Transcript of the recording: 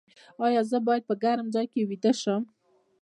ایا زه باید په ګرم ځای کې ویده شم؟